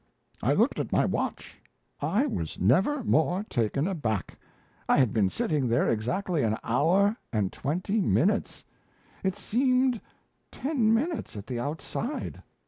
I looked at my watch; I was never more taken aback. I had been sitting there exactly an hour and twenty minutes. It seemed ten minutes at the outside.